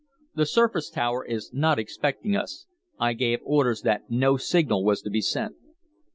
The surface tower is not expecting us. I gave orders that no signal was to be sent."